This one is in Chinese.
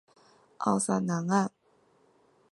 奥萨南岸。